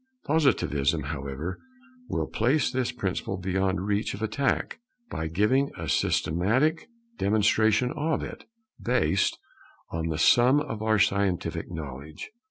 Positivism, however, will place this principle beyond reach of attack, by giving a systematic demonstration of it, based on the sum of our scientific knowledge.